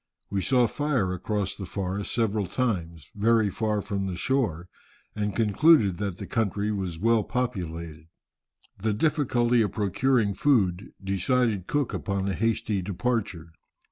We saw fire across the forests several times, very far from the shore, and concluded that the country was well populated." [Illustration: Natives of the Marquesas.] The difficulty of procuring food decided Cook upon a hasty departure.